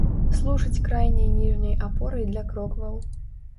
Служыць крайняй ніжняй апорай для крокваў.